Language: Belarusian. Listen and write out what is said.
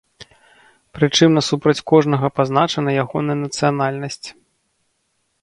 Прычым насупраць кожнага пазначана ягоная нацыянальнасць.